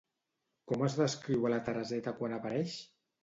Com es descriu a la Tereseta quan apareix?